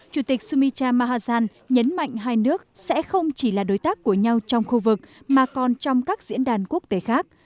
chủ tịch sumita mahan nhấn mạnh hai nước sẽ không chỉ là đối tác của nhau trong khu vực mà còn trong các diễn đàn quốc tế khác